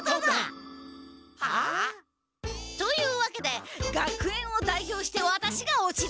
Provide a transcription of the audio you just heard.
はあ？というわけで学園を代表してワタシが落ちる。